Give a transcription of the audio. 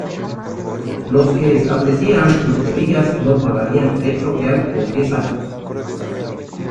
Los que establecieran pulperías no pagarían derecho real por diez años.